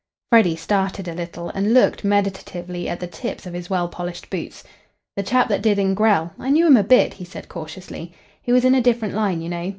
Freddy started a little, and looked meditatively at the tips of his well polished boots. "The chap that did in Grell. I knew him a bit," he said cautiously. "He was in a different line, you know.